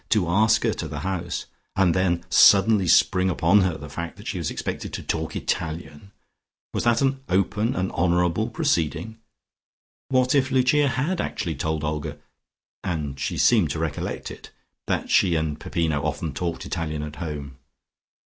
To ask her to the house, and then suddenly spring upon her the fact that she was expected to talk Italian.... Was that an open, an honourable proceeding? What if Lucia had actually told Olga (and she seemed to recollect it) that she and Peppino often talked Italian at home?